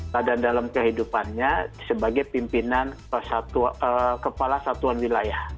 dalam kehidupannya sebagai pimpinan kepala satuan wilayah